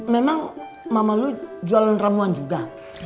memang mama lu jualan ramuan juga